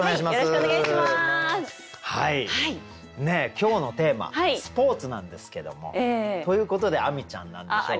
今日のテーマ「スポーツ」なんですけどもということで亜美ちゃんなんでしょうけれど。